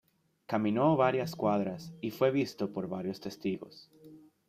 Caminó varias cuadras y fue visto por varios testigos.